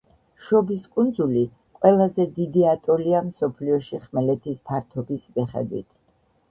შობის კუნძული ყველაზე დიდი ატოლია მსოფლიოში ხმელეთის ფართობის მიხედვით.